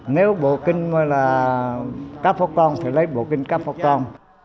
nếu bộ kinh là các phó con thì lấy bộ kinh các phó con